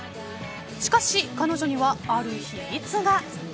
しかし、彼女にはある秘密が。